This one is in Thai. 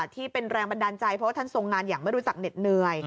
ที่เป็นแรงบันดาลใจเพราะว่าท่านทรงงานอย่างไม่รู้จักเหน็ดเหนื่อย